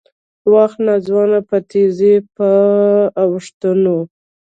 وخت ناځوانه په تېزۍ په اوښتون و